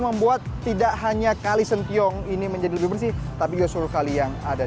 membuat tidak hanya kali sentiong ini menjadi lebih bersih tapi juga seluruh kali yang ada